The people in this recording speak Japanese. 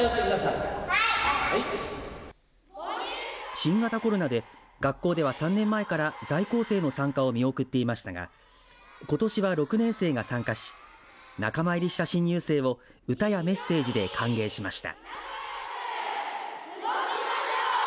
新型コロナで、学校では３年前から在校生の参加を見送っていましたがことしは６年生が参加し仲間入りした新入生を歌やメッセージで歓迎しました。